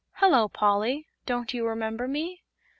"Hello, Polly! Don't you remember me?"